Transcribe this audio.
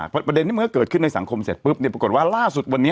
เมื่อประเด็นนี้เกิดขึ้นในสังคมเสร็จปุ๊บปรากฏว่าล่าสุดวันนี้